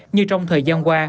như trong thời gian qua